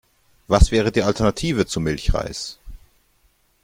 Was wäre die Alternative zu Milchreis?